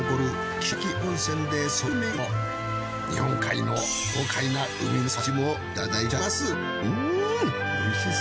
日本海の豪快な海の幸もいただいちゃいます。